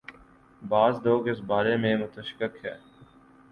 بعض لوگ اس بارے میں متشکک ہیں۔